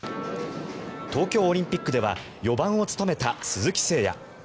東京オリンピックでは４番を務めた鈴木誠也。